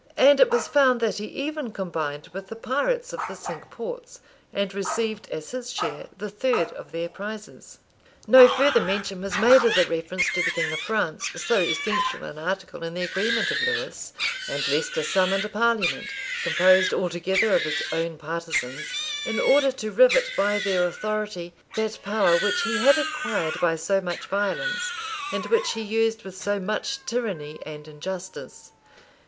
And it was found that he even combined with the pirates of the cinque ports, and received as his share the third of their prizes.[] * Rymer, vol. i. p. 792. Knyghton, p. 2451. Chron. T. Wykes, p. 65. Chron. T. Wykes, p. 6. No further mention was made of the reference to the king of France, so essential an article in the agreement of Lewes; and Leicester summoned a parliament, composed altogether of his own partisans, in order to rivet, by their authority, that power which he had acquired by so much violence, and which he used with so much tyranny and injustice.